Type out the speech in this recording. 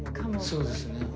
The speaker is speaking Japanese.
そうですね。